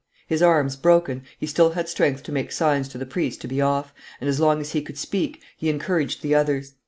His arms broken, he still had strength to make signs to the priest to be off, and, as long as he could speak, he encouraged the others.